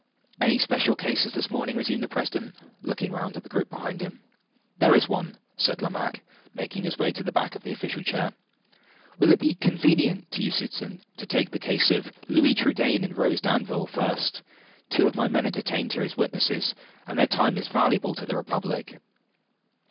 "Any special cases this morning?" resumed the president, looking round at the group behind him. "There is one," said Lomaque, making his way to the back of the official chair. "Will it be convenient to you, citizen, to take the case of Louis Trudaine and Rose Danville first? Two of my men are detained here as witnesses, and their time is valuable to the Republic."